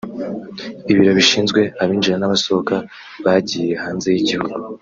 ibiro bishinzwe abinjira n’abasohoka bagiye hanze y’igihugu